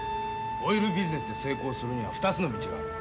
オイルビジネスで成功するには２つの道がある。